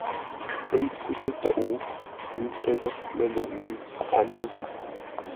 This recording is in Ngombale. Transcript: Ə́ pfú tə́tóʼ, ə́ ntsə́ghʼə́ məluʼ mi a nó.